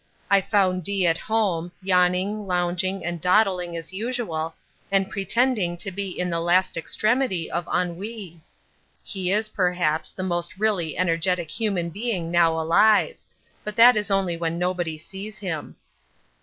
I found D—— at home, yawning, lounging, and dawdling, as usual, and pretending to be in the last extremity of ennui. He is, perhaps, the most really energetic human being now alive—but that is only when nobody sees him.